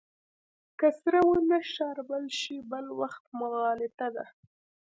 که سره ونه شاربل شي بل وخت مغالطه ده.